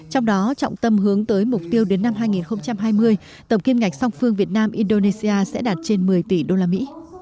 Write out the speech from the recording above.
trong đó trọng tâm hướng tới mục tiêu đến năm hai nghìn hai mươi tổng kiêm ngạch song phương việt nam indonesia sẽ đạt trên một mươi tỷ usd